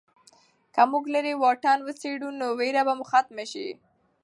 که موږ لیرې واټن وڅېړو نو ویره به مو ختمه شي.